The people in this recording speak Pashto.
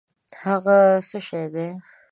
هٔغه څه شی دی؟